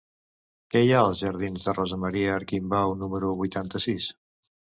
Què hi ha als jardins de Rosa Maria Arquimbau número vuitanta-sis?